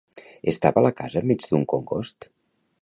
Estava la casa enmig d'un congost?